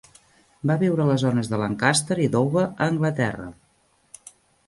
Va viure a les zones de Lancaster i Dover, a Anglaterra.